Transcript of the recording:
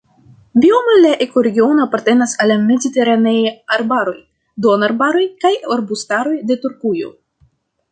Biome la ekoregiono apartenas al la mediteraneaj arbaroj, duonarbaroj kaj arbustaroj de Turkujo.